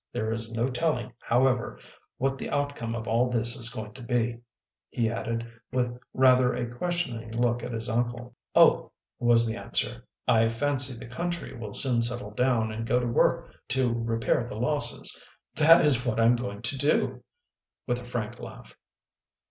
There is no telling, however, what the outcome of all this is going to be," he added, with rather a questioning look at his uncle. " Oh !" was the answer, " I fancy, the country will soon settle down and go to work to repair the losses. That is what I am going to do," with a frank laugh.